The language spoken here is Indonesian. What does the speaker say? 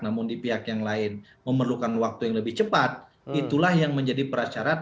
namun di pihak yang lain memerlukan waktu yang lebih cepat itulah yang menjadi prasyarat